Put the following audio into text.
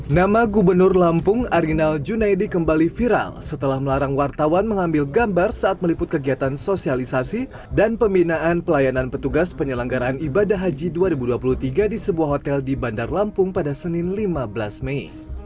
nama gubernur lampung arinal junaidi kembali viral setelah melarang wartawan mengambil gambar saat meliput kegiatan sosialisasi dan pembinaan pelayanan petugas penyelenggaraan ibadah haji dua ribu dua puluh tiga di sebuah hotel di bandar lampung pada senin lima belas mei